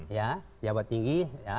ya jabat tinggi